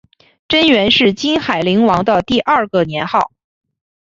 贞元是金海陵王的第二个年号。